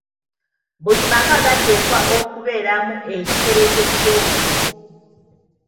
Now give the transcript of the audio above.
Buli maka gateekwa okubeeramu ekitereke ky’obutiko.